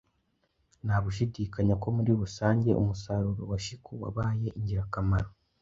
Nta gushidikanya ko muri rusange umusaruro wa shiku wabaye ingirakamaro